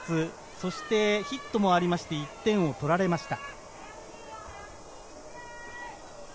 そしてヒットもあり１点を取られました。